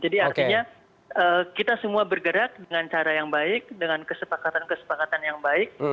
jadi artinya kita semua bergerak dengan cara yang baik dengan kesepakatan kesepakatan yang baik